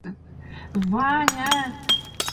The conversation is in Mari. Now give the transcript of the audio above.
Ва-аня-я!..